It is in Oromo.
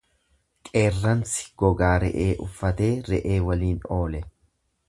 Qeerransi gogaa re'ee uffatee re'ee waliin oole.